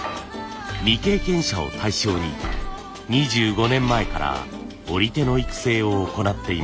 未経験者を対象に２５年前から織り手の育成を行っています。